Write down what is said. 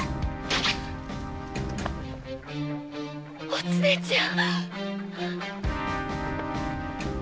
おつねちゃん。